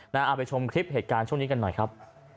เอาไปชมคลิปเหตุการณ์ช่วงนี้กันหน่อยครับ